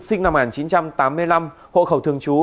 sinh năm một nghìn chín trăm tám mươi năm hộ khẩu thường trú